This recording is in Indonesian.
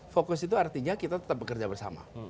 fokus itu artinya kita tetap bekerja bersama